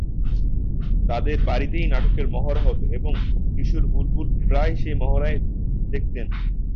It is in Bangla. তাদের বাড়িতেই নাটকের মহড়া হত, এবং কিশোর বুলবুল প্রায়ই সেই মহড়া দেখতেন।